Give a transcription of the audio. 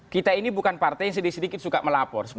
kita ini bukan partai yang sedikit sedikit suka melapor